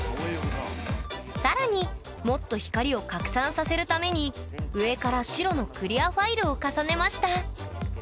更にもっと光を拡散させるために上から白のクリアファイルを重ねました。